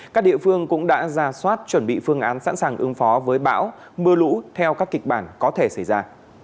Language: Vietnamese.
các địa phương cũng đã ra soát chuẩn bị phương án sẵn sàng ứng phó với bão mưa lũ theo các kịch bản có thể xảy ra